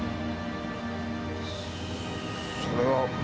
それは。